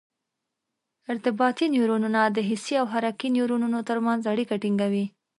ارتباطي نیورونونه د حسي او حرکي نیورونونو تر منځ اړیکه ټینګوي.